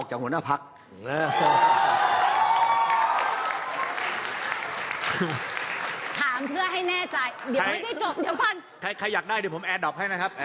ถ้าอยากได้เดี๋ยวผมแอร์ด็อปให้นะครับ